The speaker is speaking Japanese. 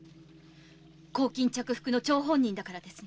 公金着服の張本人だからですね？